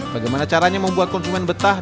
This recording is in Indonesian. bagaimana caranya membuat konsumen betah